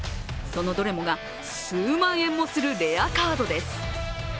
そのどれもが数万円もするレアカードです。